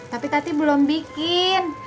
tapi tati belum bikin